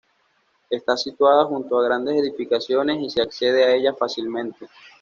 Está situada junto a grandes edificaciones y se accede a ella fácilmente.